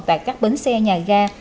tại các bến xe nhà ga